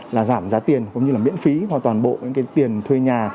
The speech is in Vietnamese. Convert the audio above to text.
là giảm giá tiền cũng như miễn phí hoặc toàn bộ tiền thuê nhà